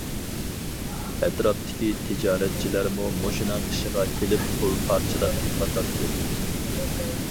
ئەتراپتىكى تىجارەتچىلەرمۇ مۇشۇنىڭ قېشىغا كېلىپ پۇل پارچىلاپ كېتىۋاتاتتى.